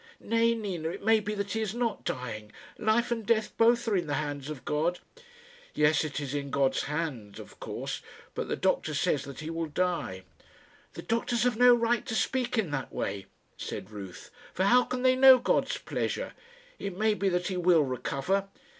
"Nay, Nina; it may be that he is not dying. Life and death both are in the hands of God." "Yes; it is in God's hands of course; but the doctor says that he will die." "The doctors have no right to speak in that way," said Ruth, "for how can they know God's pleasure? It may be that he will recover."